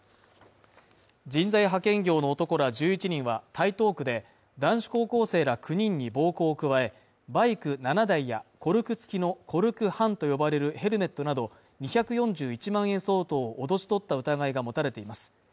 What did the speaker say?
人材派遣業の男ら１１人は台東区で、男子高校生ら９人に暴行を加え、バイク７台やコルク付きのコルク半と呼ばれるヘルメットなど２４１万円相当を脅し取った疑いが持たれています。